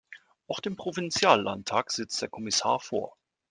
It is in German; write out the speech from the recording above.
Auch dem Provinziallandtag sitzt der Kommissar vor.